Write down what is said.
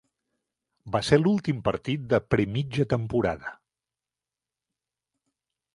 Va ser l'últim partit de pre-mitja temporada.